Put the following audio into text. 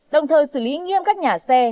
đồng thời xử lý nghiêm các nhà xe